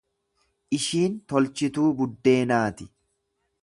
Ishiin tolchituu buddeenaati